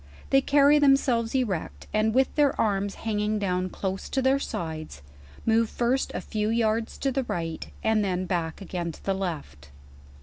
They carry themselves erect, and with their arms hanging down close to their sides, mo/e first a few yards to the right, and then back again to the left.